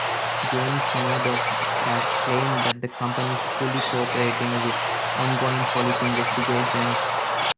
James Murdoch has claimed that the company is fully co-operating with ongoing police investigations.